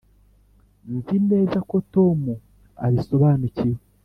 nzi neza ko tom abisobanukiwe.